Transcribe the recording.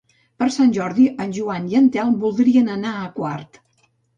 Per Sant Jordi en Joan i en Telm voldrien anar a Quart.